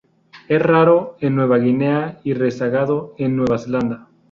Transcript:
Es raro en Nueva Guinea, y rezagado en Nueva Zelanda.